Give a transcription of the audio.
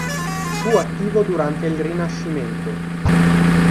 Fu attivo durante il Rinascimento.